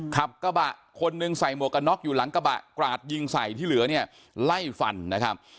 ขับกระบะคนหนึ่งใส่หมวกกันน็อกอยู่หลังกระบะกราดยิงใส่ที่เหลือเนี่ยไล่ฟันนะครับ